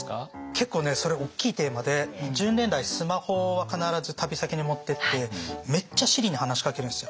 結構ねそれ大きいテーマで１０年来スマホは必ず旅先に持ってってめっちゃＳｉｒｉに話しかけるんですよ。